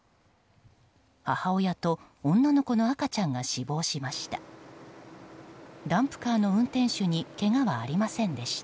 母親と女の子の赤ちゃんが死亡しました。